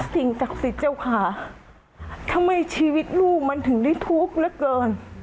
สิ่งศักดิ์สิทธิ์เจ้าค่ะทำไมชีวิตลูกมันถึงได้ทุกข์เหลือเกิน